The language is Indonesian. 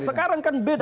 ya sekarang kan beda